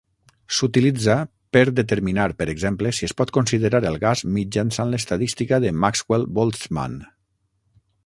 S'utilitza per determinar, per exemple, si es pot considerar el gas mitjançant l'estadística de Maxwell-Boltzmann.